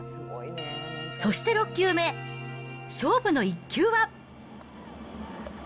そして６球目、勝負の一球は。